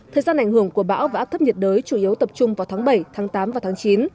thời gian ảnh hưởng của bão và áp thấp nhiệt đới chủ yếu tập trung vào tháng bảy tháng tám và tháng chín